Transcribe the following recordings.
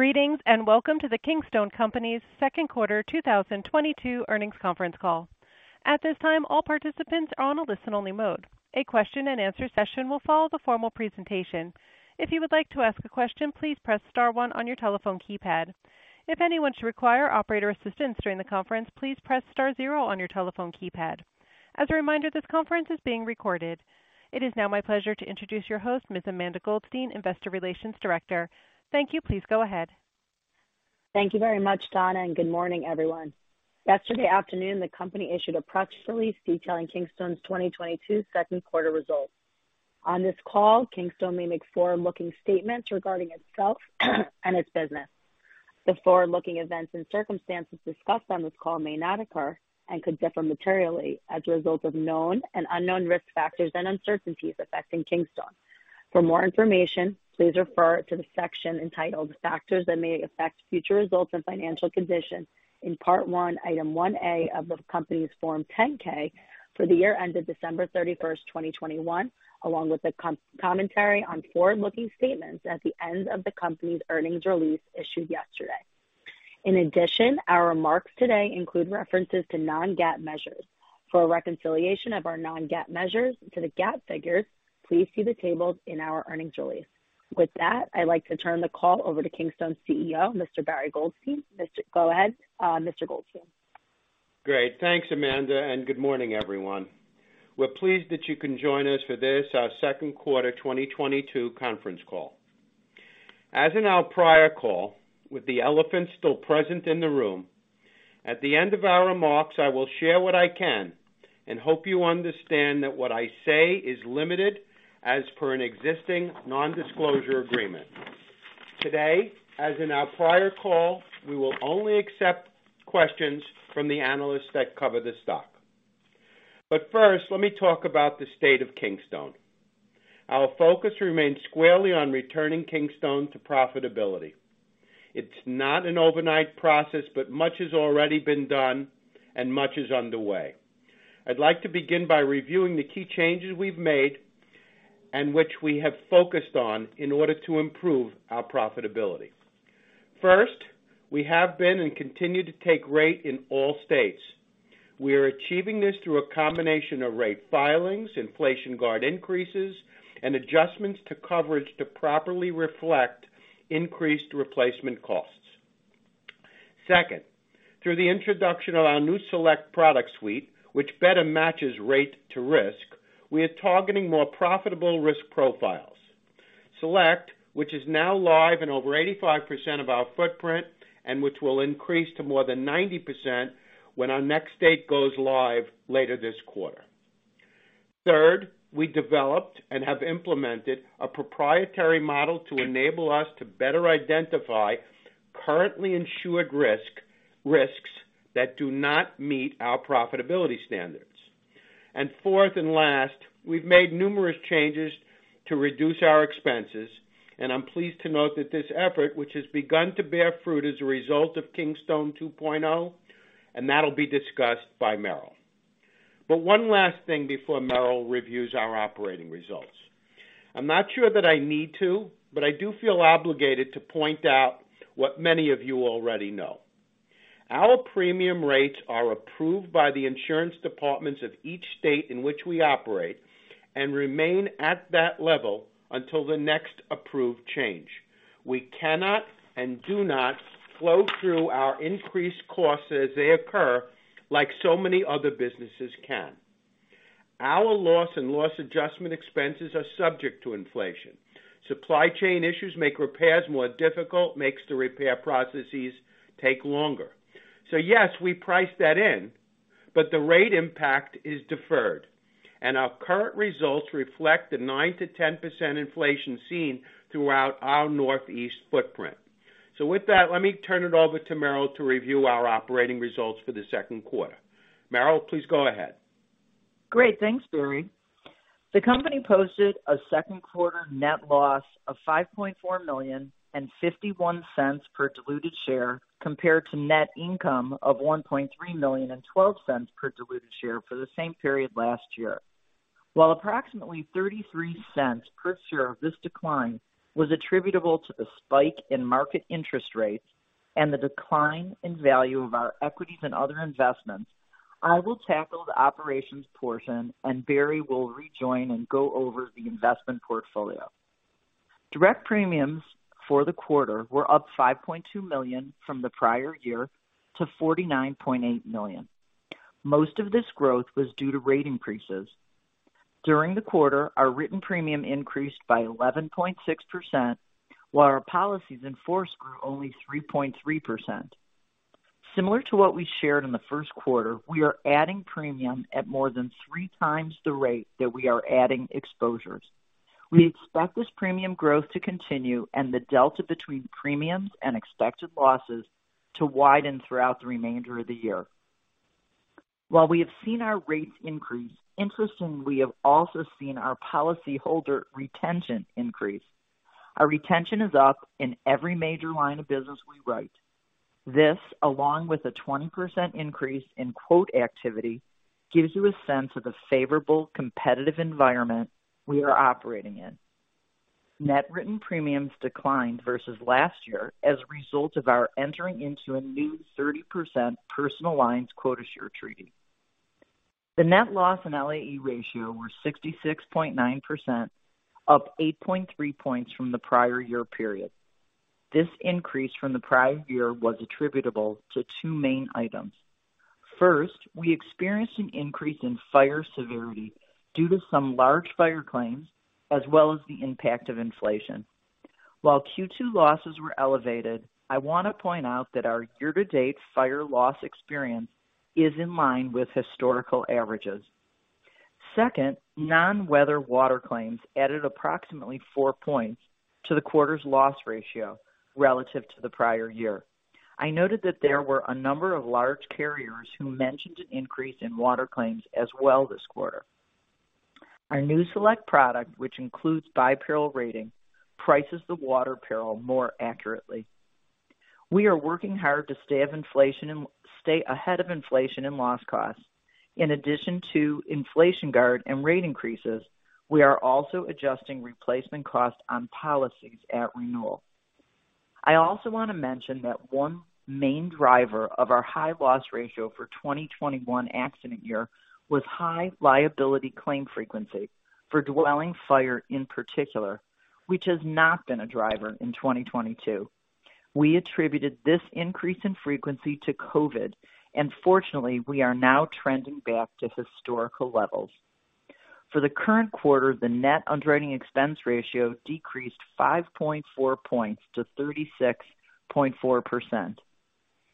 Greetings, and welcome to Kingstone Companies, Inc.'s second quarter 2022 earnings conference call. At this time, all participants are in listen-only mode. A question-and-answer session will follow the formal presentation. If you would like to ask a question, please press star one on your telephone keypad. If anyone should require operator assistance during the conference, please press star zero on your telephone keypad. As a reminder, this conference is being recorded. It is now my pleasure to introduce your host, Ms. Amanda M. Goldstein, Investor Relations Director. Thank you. Please go ahead. Thank you very much, Donna, and good morning, everyone. Yesterday afternoon, the company issued a press release detailing Kingstone's 2022 second quarter results. On this call, Kingstone may make forward-looking statements regarding itself and its business. The forward-looking events and circumstances discussed on this call may not occur, and could differ materially as a result of known and unknown risk factors and uncertainties affecting Kingstone. For more information, please refer to the section entitled Factors That May Affect Future Results and Financial Conditions in Part 1, Item 1A of the company's Form 10-K for the year ended December 31, 2021, along with the commentary on forward-looking statements at the end of the company's earnings release issued yesterday. In addition, our remarks today include references to non-GAAP measures. For a reconciliation of our non-GAAP measures to the GAAP figures, please see the tables in our earnings release. With that, I'd like to turn the call over to Kingstone's CEO, Mr. Barry Goldstein. Go ahead, Mr. Goldstein. Great. Thanks, Amanda, and good morning, everyone. We're pleased that you can join us for this, our second quarter 2022 conference call. As in our prior call, with the elephant still present in the room, at the end of our remarks, I will share what I can and hope you understand that what I say is limited as per an existing non-disclosure agreement. Today, as in our prior call, we will only accept questions from the analysts that cover the stock. First, let me talk about the state of Kingstone. Our focus remains squarely on returning Kingstone to profitability. It's not an overnight process, but much has already been done and much is underway. I'd like to begin by reviewing the key changes we've made and which we have focused on in order to improve our profitability. First, we have been and continue to take rate in all states. We are achieving this through a combination of rate filings, Inflation Guard increases, and adjustments to coverage to properly reflect increased replacement costs. Second, through the introduction of our new Select product suite, which better matches rate to risk, we are targeting more profitable risk profiles. Select, which is now live in over 85% of our footprint, and which will increase to more than 90% when our next state goes live later this quarter. Third, we developed and have implemented a proprietary model to enable us to better identify currently insured risk, risks that do not meet our profitability standards. Fourth and last, we've made numerous changes to reduce our expenses. I'm pleased to note that this effort, which has begun to bear fruit, is a result of Kingstone 2.0, and that'll be discussed by Meryl. One last thing before Meryl reviews our operating results. I'm not sure that I need to, but I do feel obligated to point out what many of you already know. Our premium rates are approved by the insurance departments of each state in which we operate and remain at that level until the next approved change. We cannot and do not flow through our increased costs as they occur, like so many other businesses can. Our loss and loss adjustment expenses are subject to inflation. Supply chain issues make repairs more difficult, makes the repair processes take longer. Yes, we price that in, but the rate impact is deferred, and our current results reflect the 9%-10% inflation seen throughout our Northeast footprint. With that, let me turn it over to Meryl to review our operating results for the second quarter. Meryl, please go ahead. Great. Thanks, Barry. The company posted a second quarter net loss of $5.4 million and $0.51 per diluted share, compared to net income of $1.3 million and $0.12 per diluted share for the same period last year. While approximately $0.33 per share of this decline was attributable to the spike in market interest rates and the decline in value of our equities and other investments, I will tackle the operations portion and Barry will rejoin and go over the investment portfolio. Direct premiums for the quarter were up $5.2 million from the prior year to $49.8 million. Most of this growth was due to rate increases. During the quarter, our written premium increased by 11.6%, while our policies in force grew only 3.3%. Similar to what we shared in the first quarter, we are adding premium at more than three times the rate that we are adding exposures. We expect this premium growth to continue and the delta between premiums and expected losses to widen throughout the remainder of the year. While we have seen our rates increase, interestingly, we have also seen our policyholder retention increase. Our retention is up in every major line of business we write. This, along with a 20% increase in quote activity, gives you a sense of the favorable competitive environment we are operating in. Net written premiums declined versus last year as a result of our entering into a new 30% personal lines quota share treaty. The net loss and LAE ratio were 66.9%, up 8.3 points from the prior year period. This increase from the prior year was attributable to two main items. First, we experienced an increase in fire severity due to some large fire claims, as well as the impact of inflation. While Q2 losses were elevated, I want to point out that our year-to-date fire loss experience is in line with historical averages. Second, non-weather water claims added approximately four points to the quarter's loss ratio relative to the prior year. I noted that there were a number of large carriers who mentioned an increase in water claims as well this quarter. Our new Select product, which includes by-peril rating, prices the water peril more accurately. We are working hard to stay ahead of inflation and loss costs. In addition to Inflation Guard and rate increases, we are also adjusting replacement costs on policies at renewal. I also want to mention that one main driver of our high loss ratio for 2021 accident year was high liability claim frequency for dwelling fire in particular, which has not been a driver in 2022. We attributed this increase in frequency to COVID, and fortunately, we are now trending back to historical levels. For the current quarter, the net underwriting expense ratio decreased 5.4 points to 36.4%.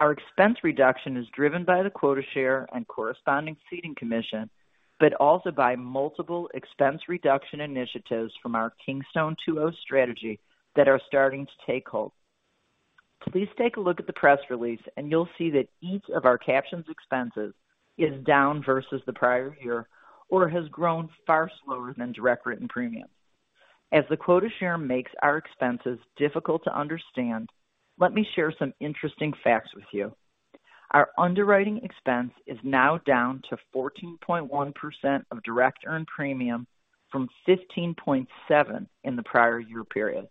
Our expense reduction is driven by the quota share and corresponding ceding commission, but also by multiple expense reduction initiatives from our Kingstone 2.0 strategy that are starting to take hold. Please take a look at the press release and you'll see that each of our captioned expenses is down versus the prior year or has grown far slower than direct written premium. As the quota share makes our expenses difficult to understand, let me share some interesting facts with you. Our underwriting expense is now down to 14.1% of direct earned premium from 15.7% in the prior year period.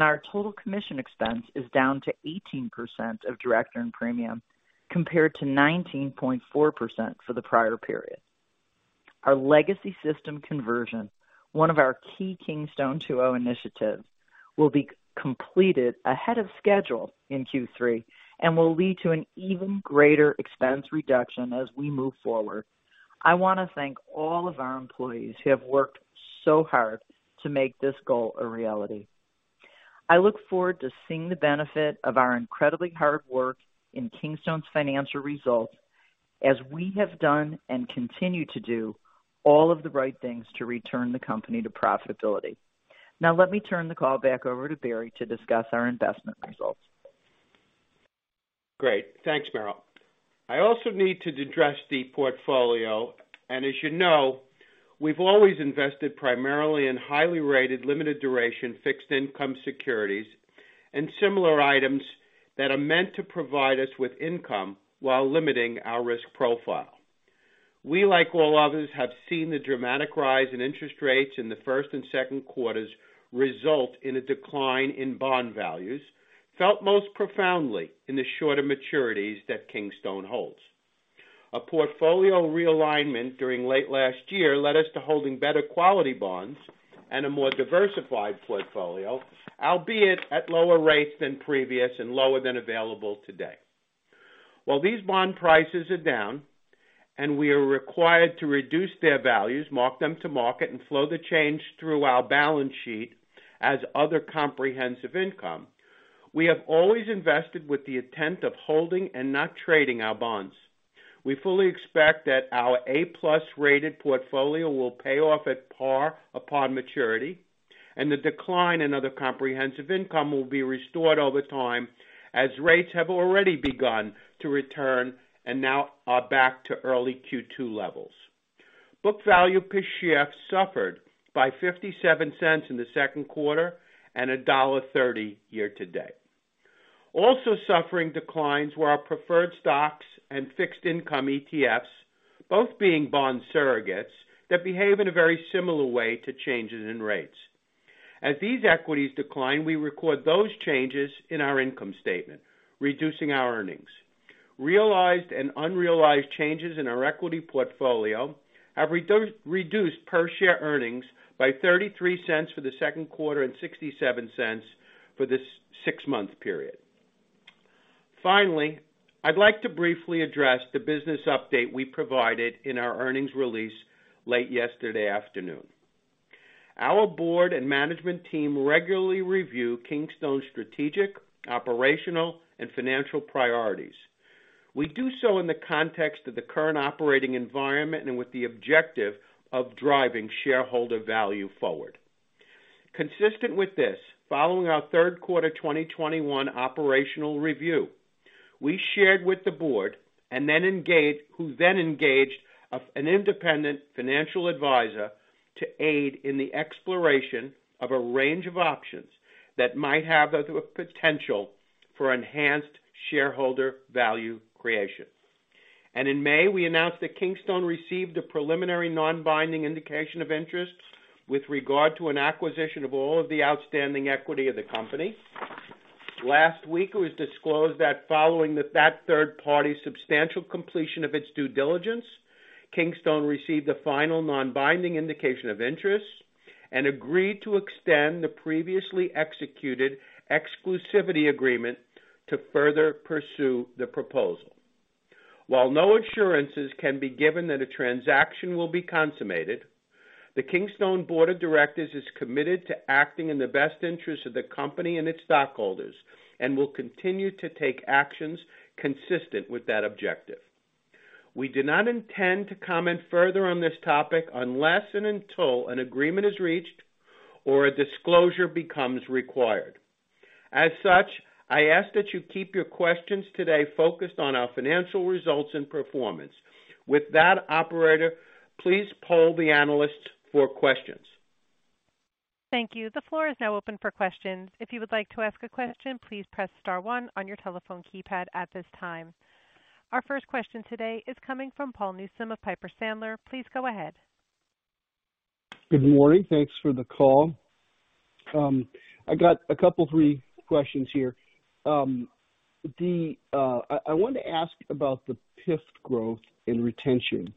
Our total commission expense is down to 18% of direct earned premium compared to 19.4% for the prior period. Our legacy system conversion, one of our key Kingstone 2.0 initiatives, will be completed ahead of schedule in Q3 and will lead to an even greater expense reduction as we move forward. I want to thank all of our employees who have worked so hard to make this goal a reality. I look forward to seeing the benefit of our incredibly hard work in Kingstone's financial results as we have done and continue to do all of the right things to return the company to profitability. Now let me turn the call back over to Barry to discuss our investment results. Great. Thanks, Meryl. I also need to address the portfolio, and as you know, we've always invested primarily in highly rated, limited duration fixed income securities and similar items that are meant to provide us with income while limiting our risk profile. We, like all others, have seen the dramatic rise in interest rates in the first and second quarters result in a decline in bond values, felt most profoundly in the shorter maturities that Kingstone holds. A portfolio realignment during late last year led us to holding better quality bonds and a more diversified portfolio, albeit at lower rates than previously and lower than available today. While these bond prices are down and we are required to reduce their values, mark them to market and flow the change through our balance sheet as Other Comprehensive Income, we have always invested with the intent of holding and not trading our bonds. We fully expect that our A-plus rated portfolio will pay off at par upon maturity, and the decline in Other Comprehensive Income will be restored over time as rates have already begun to return and now are back to early Q2 levels. Book value per share suffered by $0.57 in the second quarter and $1.30 year to date. Also suffering declines were our preferred stocks and fixed income ETFs, both being bond surrogates that behave in a very similar way to changes in rates. As these equities decline, we record those changes in our income statement, reducing our earnings. Realized and unrealized changes in our equity portfolio have reduced per share earnings by $0.33 for the second quarter and $0.67 for this six-month period. Finally, I'd like to briefly address the business update we provided in our earnings release late yesterday afternoon. Our board and management team regularly review Kingstone's strategic, operational, and financial priorities. We do so in the context of the current operating environment and with the objective of driving shareholder value forward. Consistent with this, following our third quarter 2021 operational review, we shared with the board and then engaged an independent financial advisor to aid in the exploration of a range of options that might have the potential for enhanced shareholder value creation. In May, we announced that Kingstone received a preliminary non-binding indication of interest with regard to an acquisition of all of the outstanding equity of the company. Last week, it was disclosed that following that third party's substantial completion of its due diligence, Kingstone received a final non-binding indication of interest and agreed to extend the previously executed exclusivity agreement to further pursue the proposal. While no assurances can be given that a transaction will be consummated, the Kingstone Board of Directors is committed to acting in the best interest of the company and its stockholders and will continue to take actions consistent with that objective. We do not intend to comment further on this topic unless and until an agreement is reached or a disclosure becomes required. As such, I ask that you keep your questions today focused on our financial results and performance. With that, operator, please poll the analysts for questions. Thank you. The floor is now open for questions. If you would like to ask a question, please press star one on your telephone keypad at this time. Our first question today is coming from Paul Newsome of Piper Sandler. Please go ahead. Good morning. Thanks for the call. I got a couple three questions here. I want to ask about the PIF growth and retention.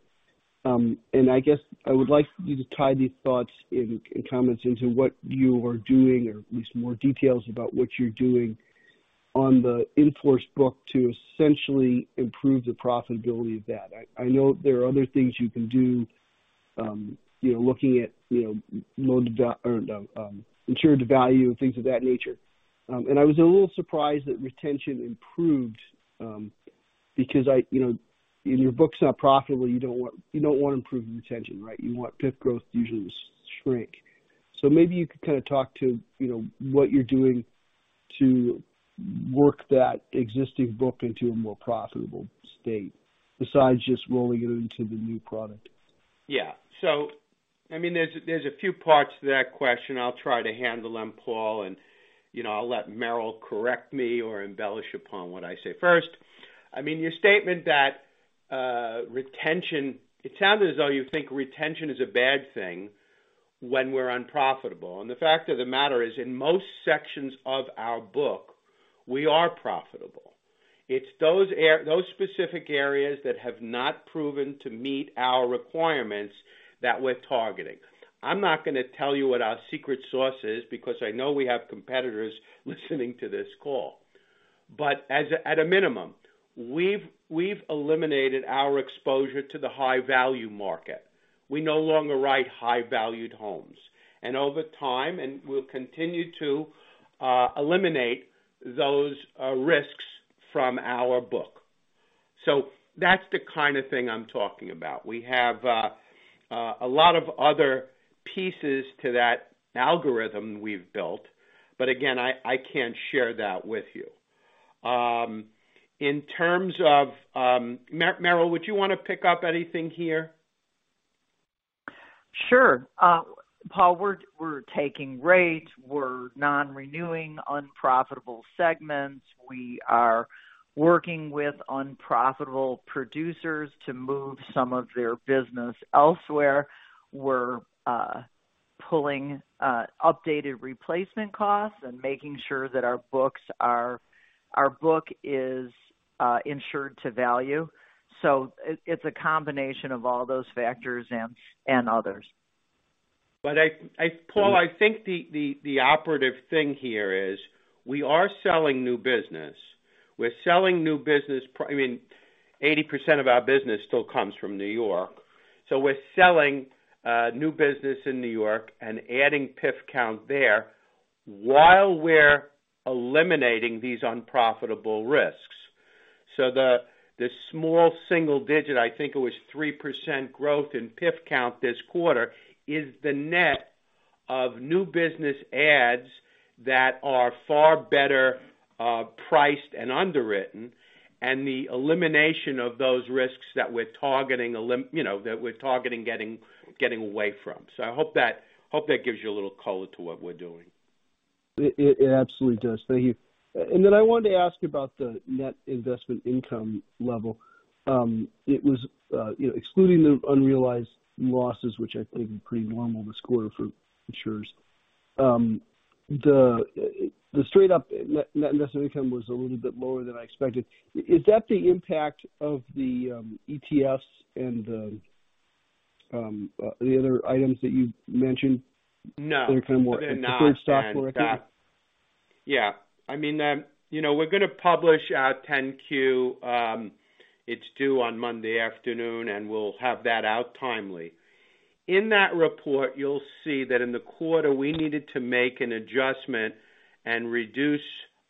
I guess I would like you to tie these thoughts and comments into what you are doing or at least more details about what you're doing on the in-force book to essentially improve the profitability of that. I know there are other things you can do, you know, looking at, you know, load, insured value and things of that nature. I was a little surprised that retention improved, because I, you know, when your book's not profitable, you don't want improved retention, right? You want PIF growth usually to shrink. Maybe you could kind of talk to, you know, what you're doing to work that existing book into a more profitable state besides just rolling it into the new product. Yeah. I mean, there's a few parts to that question. I'll try to handle them, Paul, and, you know, I'll let Meryl correct me or embellish upon what I say first. I mean, your statement that, retention, it sounds as though you think retention is a bad thing when we're unprofitable. The fact of the matter is, in most sections of our book, we are profitable. It's those those specific areas that have not proven to meet our requirements that we're targeting. I'm not gonna tell you what our secret sauce is because I know we have competitors listening to this call. At a minimum, we've eliminated our exposure to the high value market. We no longer write high valued homes. Over time, we'll continue to eliminate those risks from our book. That's the kind of thing I'm talking about. We have a lot of other pieces to that algorithm we've built, but again, I can't share that with you. In terms of Meryl, would you wanna pick up anything here? Sure. Paul, we're taking rates. We're non-renewing unprofitable segments. We are working with unprofitable producers to move some of their business elsewhere. We're pulling updated replacement costs and making sure that our book is insured to value. It's a combination of all those factors and others. Paul, I think the operative thing here is we are selling new business. We're selling new business, I mean, 80% of our business still comes from New York, so we're selling new business in New York and adding PIF count there while we're eliminating these unprofitable risks. The small single digit, I think it was 3% growth in PIF count this quarter, is the net of new business adds that are far better priced and underwritten and the elimination of those risks that we're targeting you know, that we're targeting getting away from. I hope that gives you a little color to what we're doing. It absolutely does. Thank you. Then I wanted to ask about the net investment income level. It was, you know, excluding the unrealized losses, which I think are pretty normal this quarter for insurers. The straight up net investment income was a little bit lower than I expected. Is that the impact of the ETFs and the other items that you mentioned? No. They're kind of more- They're not. Deferred stock or equity. Yeah. I mean, you know, we're gonna publish our Form 10-Q, it's due on Monday afternoon, and we'll have that out timely. In that report, you'll see that in the quarter, we needed to make an adjustment and reduce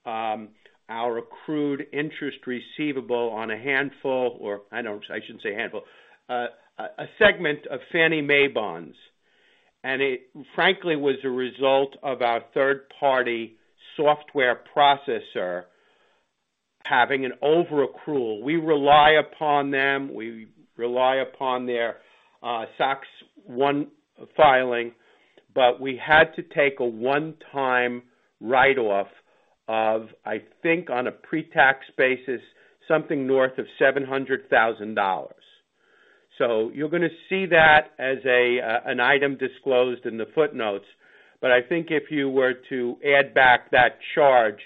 our accrued interest receivable on a segment of Fannie Mae bonds. It frankly was a result of our third-party software processor having an overaccrual. We rely upon them. We rely upon their SOC 1 filing. We had to take a one-time write off of, I think on a pre-tax basis, something north of $700,000. You're gonna see that as an item disclosed in the footnotes. I think if you were to add back that charge,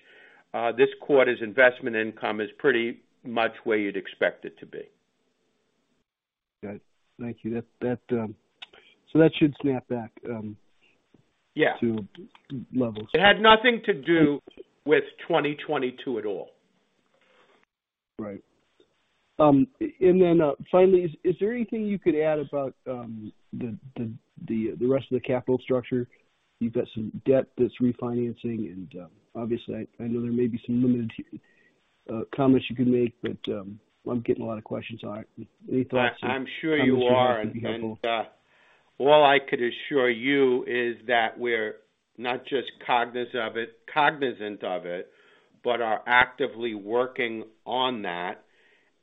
this quarter's investment income is pretty much where you'd expect it to be. Got it. Thank you. That should snap back. Yeah. to levels. It had nothing to do with 2022 at all. Right. Finally, is there anything you could add about the rest of the capital structure? You've got some debt that's refinancing. Obviously, I know there may be some limited comments you can make, but I'm getting a lot of questions on it. Any thoughts you I'm sure you are. have for us would be helpful. All I could assure you is that we're not just cognizant of it, but are actively working on that.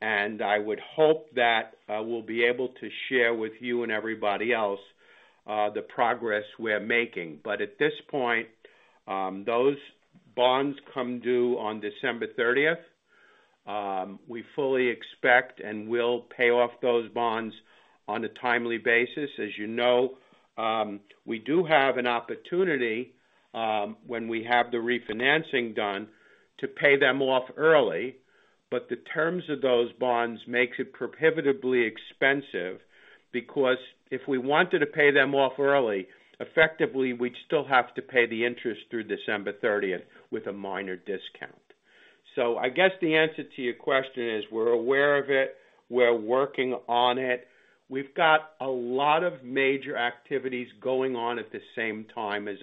I would hope that we'll be able to share with you and everybody else the progress we're making. At this point, those bonds come due on December thirtieth. We fully expect and will pay off those bonds on a timely basis. As you know, we do have an opportunity, when we have the refinancing done, to pay them off early. The terms of those bonds makes it prohibitively expensive, because if we wanted to pay them off early, effectively, we'd still have to pay the interest through December thirtieth with a minor discount. I guess the answer to your question is we're aware of it. We're working on it. We've got a lot of major activities going on at the same time as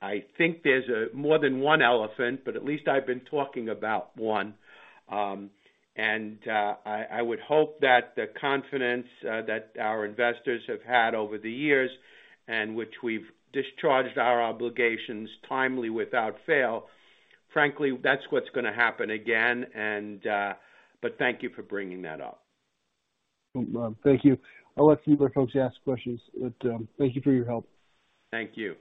I think there's more than one elephant, but at least I've been talking about one. I would hope that the confidence that our investors have had over the years and which we've discharged our obligations timely without fail. Frankly, that's what's gonna happen again. Thank you for bringing that up. Great. Well, thank you. I'll let some other folks ask questions, but thank you for your help. Thank you.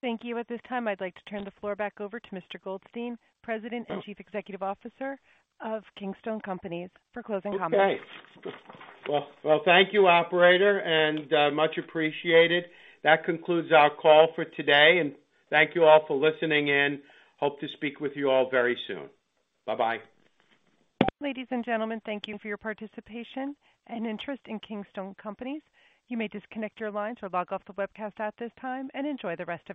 Thank you. At this time, I'd like to turn the floor back over to Mr. Goldstein, President and Chief Executive Officer of Kingstone Companies, for closing comments. Okay. Well, thank you, operator, and much appreciated. That concludes our call for today. Thank you all for listening in. Hope to speak with you all very soon. Bye-bye. Ladies and gentlemen, thank you for your participation and interest in Kingstone Companies. You may disconnect your lines or log off the webcast at this time, and enjoy the rest of your day.